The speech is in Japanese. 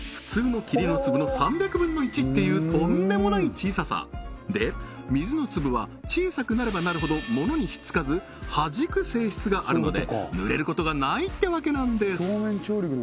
これっていうとんでもない小ささで水の粒は小さくなればなるほどモノにひっつかずはじく性質があるので濡れることがないってわけなんです